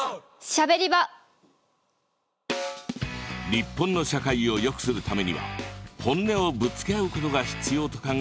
日本の社会をよくするためには本音をぶつけ合うことが必要と考えるまひろ。